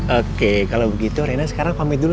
oke kalau begitu rena sekarang komit dulu